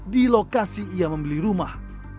di lokasi ia membeli rumah